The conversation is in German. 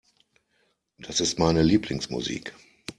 Das ist meine Lieblingsmusik.